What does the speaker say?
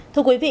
thưa quý vị